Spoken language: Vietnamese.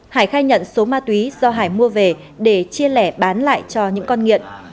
hải khai nhận số ma túy do hải mua về để chia lẻ bán lại cho những con nghiện